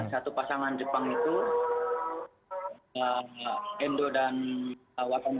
satu pasangan jepang itu